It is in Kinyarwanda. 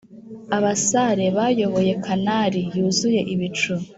abasare bayoboye canari yuzuye ibicu,